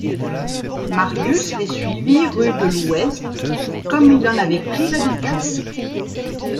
Marius les suivit rue de l’Ouest comme il en avait pris l’habitude.